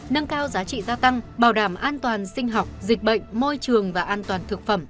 nâng cao giá trị gia tăng bảo đảm an toàn sinh học dịch bệnh môi trường và an toàn thực phẩm